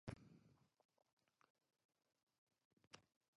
The excavations later revealed the remains of a Neolithic crannog.